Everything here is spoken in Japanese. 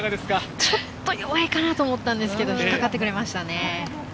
ちょっと弱いかなと思ったんですけど、引っかかってくれましたね。